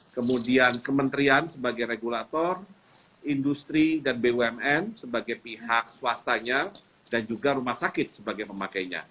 kemudian kementerian sebagai regulator industri dan bumn sebagai pihak swastanya dan juga rumah sakit sebagai pemakainya